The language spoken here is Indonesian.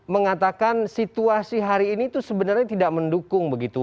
mengatakan situasi hari ini itu sebenarnya tidak mendukung begitu